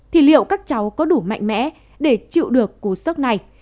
thì liệu các cháu có đủ mạnh mẽ để chịu được cú sốc này